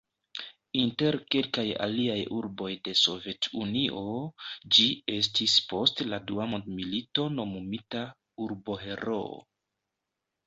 Inter kelkaj aliaj urboj de Sovet-Unio ĝi estis post la Dua mondmilito nomumita "Urbo-Heroo".